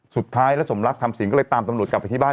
สุดท้ายแล้วสมรักทำสินก็เลยตามตำรวจกลับไปที่บ้าน